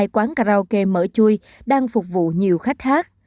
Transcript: hai quán karaoke mở chui đang phục vụ nhiều khách hát